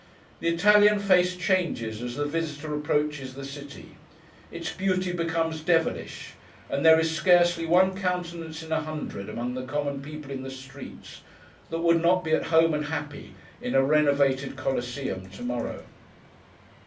The Italian face changes as the visitor approaches the city; its beauty becomes devilish; and there is scarcely one countenance in a hundred, among the common people in the streets, that would not be at home and happy in a renovated Coliseum to morrow.